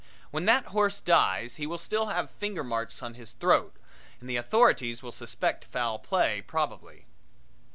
When that horse dies he will still have finger marks on his throat and the authorities will suspect foul play probably.